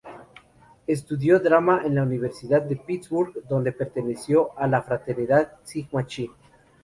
Estudió drama en la Universidad de Pittsburgh, donde perteneció a la fraternidad Sigma Chi.